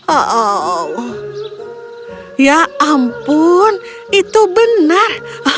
oh ya ampun itu benar